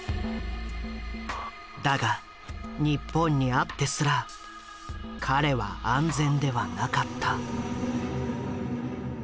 だが日本にあってすら彼は安全ではなかった。